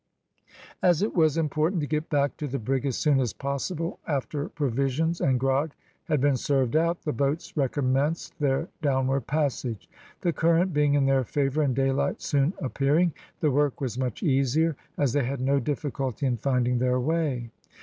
As it was important to get back to the brig as soon as possible after provisions and grog had been served out, the boats recommenced their downward passage. The current being in their favour, and daylight soon appearing, the work was much easier, as they had no difficulty in finding their way.